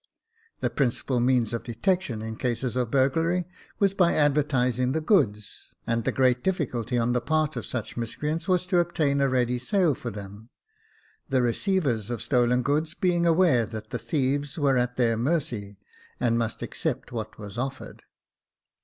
The principal means of detection in cases of burglary was by advertising the goods, and the great difficulty on the part of such miscreants was to obtain a ready sale for them — the re ceivers of stolen goods being aware that the thieves were at their mercy, and must accept what was offered.